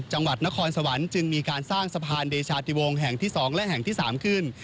จังหวัดนครสวรรค์จึงมีการสร้างสะพานเดชาติวงศ์แห่งที่๒และแห่งที่๓ขึ้น